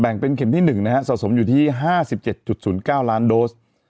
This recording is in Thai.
เป็นเข็มที่๑นะฮะสะสมอยู่ที่๕๗๐๙ล้านโดส